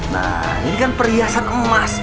nah ini kan perhiasan emas